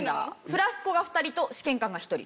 フラスコが２人と試験管が１人。